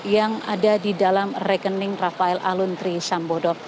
yang ada di dalam rekening rafael alun trisambodo